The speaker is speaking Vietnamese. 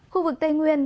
khu vực tây nguyên